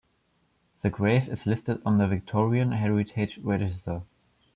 The grave is listed on the "Victorian Heritage Register".